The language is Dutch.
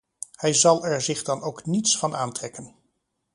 Hij zal er zich dan ook niets van aantrekken.